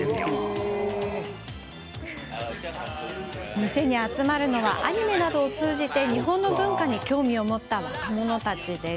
お店に集まるのはアニメなどを通じて日本文化に興味を持った若者たち。